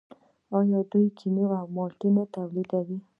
آیا دوی کیوي او مالټې نه تولیدوي؟